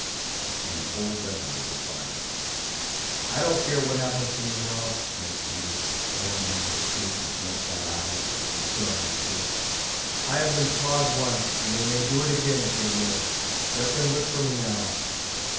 and the whole dozen was applied. "I don't care what happens to me now!" wept Peter, going among the crew, with blood shot eyes, as he put on his shirt. "I have been flogged once, and they may do it again, if they will. Let them look for me now!"